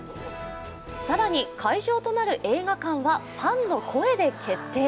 更に、会場となる映画館はファンの声で決定。